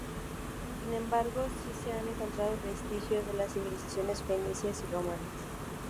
Sin embargo sí se han encontrado vestigios de las civilizaciones fenicia y romana.